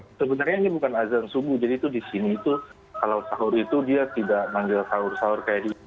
sebenarnya ini bukan azan subuh jadi itu di sini itu kalau sahur itu dia tidak manggil sahur sahur kayak di